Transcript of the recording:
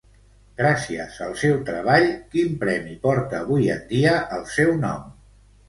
Gràcies al seu treball, quin premi porta avui en dia el seu nom?